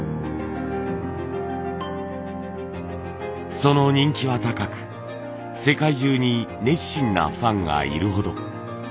その人気は高く世界中に熱心なファンがいるほど。